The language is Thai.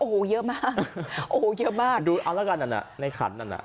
โอ้โหเยอะมากโอ้โหเยอะมากดูเอาแล้วกันนั่นน่ะในขันนั่นน่ะ